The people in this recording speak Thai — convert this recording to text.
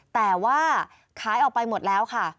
แต่ว่าขายออกไปหมดแล้วค่ะ